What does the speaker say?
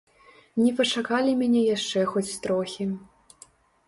Не пачакалі мяне яшчэ хоць трохі.